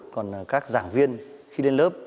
còn các giảng viên khi lên lớp